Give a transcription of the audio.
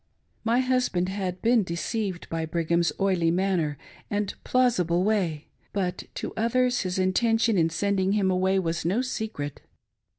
My husband had been deceived by Brig ham's oily manner and plausible way ; but to others his inten^ tion in sending him away was no secret.